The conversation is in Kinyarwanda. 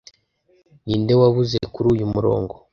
Ninde wabuze kuri uyu murongo